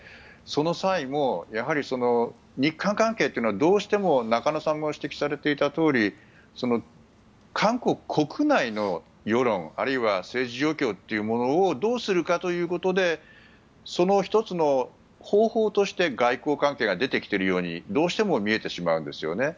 その際も日韓関係というのはどうしても中野さんがご指摘されていたように韓国国内の世論あるいは政治状況というものをどうするかということでその１つの方法として外交関係が出てきているようにどうしても見えてしまうんです。